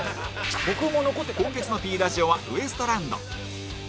今月の Ｐ ラジオはウエストランド